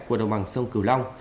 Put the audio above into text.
của đồng bằng sông cửu long